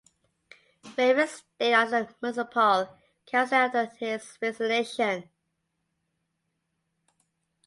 Raven stayed on as municipal councilor after his resignation.